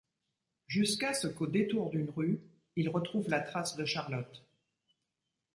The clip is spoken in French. Jusqu'à ce qu'au détour d'une rue, il retrouve la trace de Charlotte.